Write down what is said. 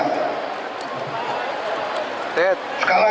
negara asing akan boykot barang barang kita